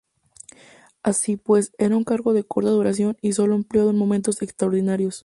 Así, pues, era un cargo de corta duración y solo empleado en momentos extraordinarios.